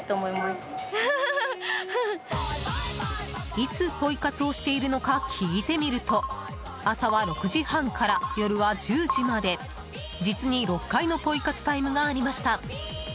いつポイ活をしているのか聞いてみると朝は６時半から夜は１０時まで実に６回のポイ活タイムがありました。